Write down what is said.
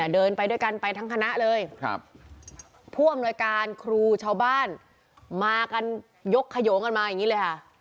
เดินไปด้วยกันไปทั้งคณะเลยผู้อำนวยการครูชาวบ้านมากันยกขยงกันมาอย่างนี้เลยค่ะ